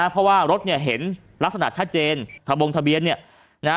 เพราะว่ารถเห็นลักษณะชัดเจนทะบงทะเบียน